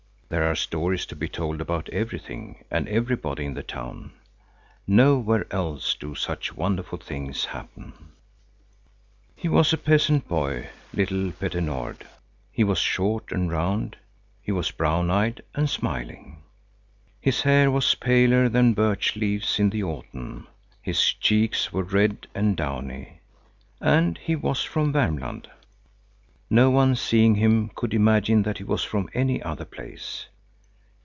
There are stories to be told about everything and everybody in the town. Nowhere else do such wonderful things happen. He was a peasant boy, little Petter Nord. He was short and round; he was brown eyed and smiling. His hair was paler than birch leaves in the autumn; his cheeks were red and downy. And he was from Värmland. No one, seeing him, could imagine that he was from any other place.